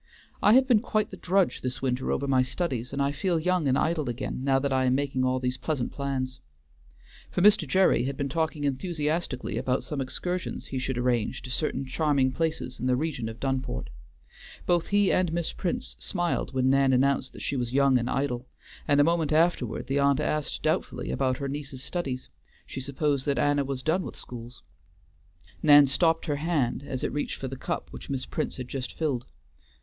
"I have been quite the drudge this winter over my studies, and I feel young and idle again, now that I am making all these pleasant plans." For Mr. Gerry had been talking enthusiastically about some excursions he should arrange to certain charming places in the region of Dunport. Both he and Miss Prince smiled when Nan announced that she was young and idle, and a moment afterward the aunt asked doubtfully about her niece's studies; she supposed that Anna was done with schools. Nan stopped her hand as it reached for the cup which Miss Prince had just filled.